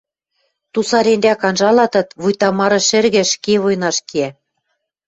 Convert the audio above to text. Тусаренрӓк анжалатат, вуйта мары шӹргӹ ӹшке войнаш кеӓ.